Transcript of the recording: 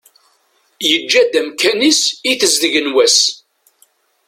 Yeǧǧa-d amkan-is i tezdeg n wass.